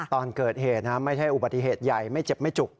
ตอนเกิดเหตุไม่ใช่อุบัติเหตุใหญ่ไม่เจ็บไม่จุก